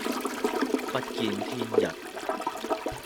不見天日